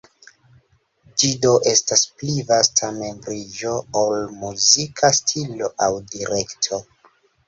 Ĝi do estas pli vasta membriĝo ol muzika stilo aŭ direkto.